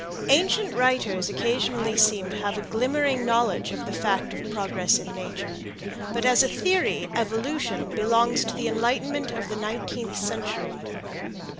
Ancient writers occasionally seemed to have a glimmering knowledge of the fact of progress in nature, but as a theory "evolution" belongs to the enlightenment of the nineteenth century.